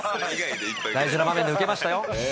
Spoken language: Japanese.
大事な場面でうけましたよ。